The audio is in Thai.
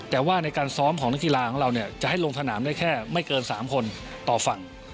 แต่ว่าในการซ้อมของนักกีฬาของเราจะให้ลงสนามได้แค่ไม่เกิน๓คนต่อฝั่ง